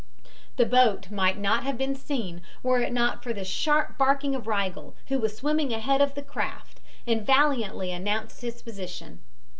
The boat might not have been seen were it not for the sharp barking of Rigel, who was swimming ahead of the craft, and valiantly announcing his position.